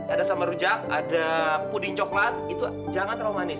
ada sama rujak ada puding coklat itu jangan terlalu manis